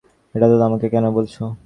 তো এটা আমাকে কেন বলছো?